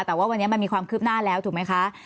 แต่ว่าวันนี้มันมีความคืบหน้าแล้วถูกไหมคะ